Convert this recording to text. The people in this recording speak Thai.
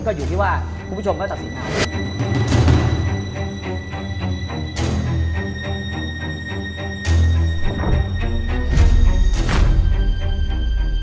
ก็อยู่ที่ว่าคุณผู้ชมเขาตัดสินใจ